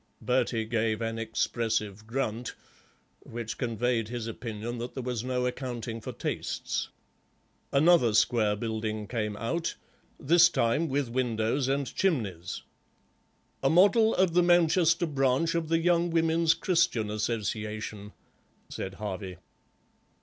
Bertie gave an expressive grunt, which conveyed his opinion that there was no accounting for tastes. Another square building came out, this time with windows and chimneys. "A model of the Manchester branch of the Young Women's Christian Association," said Harvey.